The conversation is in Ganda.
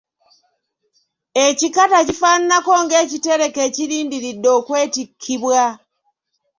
Ekikata kifaananako ng'ekitereke ekirindiridde okwetikkibwa.